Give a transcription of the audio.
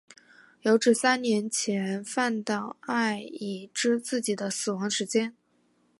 有指三年前饭岛爱已知自己的死亡时间。